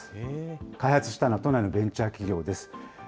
開発したのは都内のベンチャー企業です。